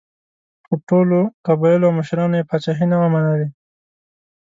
خو ټولو قبایلو او مشرانو یې پاچاهي نه وه منلې.